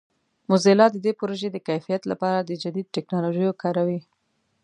موزیلا د دې پروژې د کیفیت لپاره د جدید ټکنالوژیو کاروي.